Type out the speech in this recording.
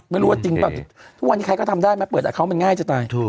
ไม่รู้ว่าจริงเปล่าทุกวันนี้ใครก็ทำได้ไหมเปิดเขามันง่ายจะตาย